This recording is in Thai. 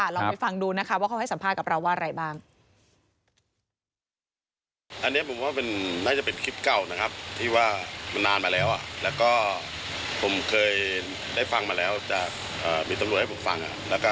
ลองไปฟังดูนะคะว่าเขาให้สัมภาษณ์กับเราว่าอะไรบ้าง